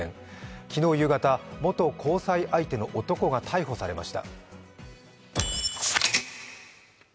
昨日夕方、元交際相手の男が逮捕されました。